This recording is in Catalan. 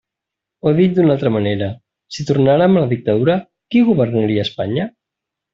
O dit d'una altra manera, si tornàrem a la dictadura, ¿qui governaria a Espanya?